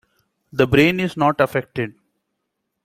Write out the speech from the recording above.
The brain is not affected.